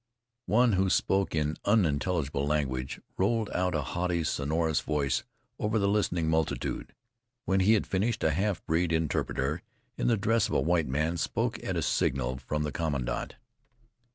One who spoke in unintelligible language, rolled out a haughty, sonorous voice over the listening multitude. When he had finished, a half breed interpreter, in the dress of a white man, spoke at a signal from the commandant.